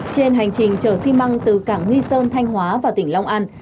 trên hành trình chở xi măng từ cảng nghi sơn thanh hóa và tỉnh long an